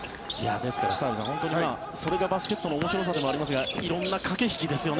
ですから澤部さんそれがバスケットの面白さでもありますが色んな駆け引きですよね。